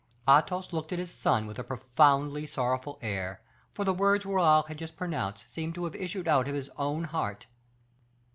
Athos looked at his son with a profoundly sorrowful air, for the words Raoul had just pronounced seemed to have issued out of his own heart.